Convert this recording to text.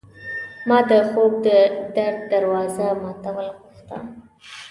ما د خوب د در د دوازو ماتول غوښته